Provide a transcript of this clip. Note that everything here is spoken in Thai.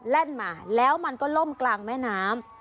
แล่นมาแล้วมันก็ล่มกลางแม่น้ำ